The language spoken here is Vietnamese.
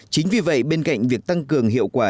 chính vì vậy bên cạnh việc tăng cường hiệu quả